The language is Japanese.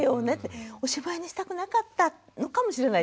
おしまいにしたくなかったのかもしれないじゃない。